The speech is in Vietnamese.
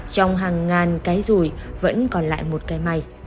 trong hàng ngàn cái rùi vẫn còn lại một cái may